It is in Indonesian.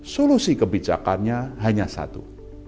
solusi kebijakannya hanya satu